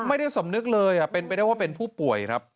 ไม่ได้สำนึกเลยเป็นไปได้ว่าเป็นผู้ป่วยครับ